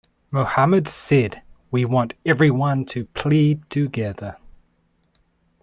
Mohammed said, We want everyone to plead together.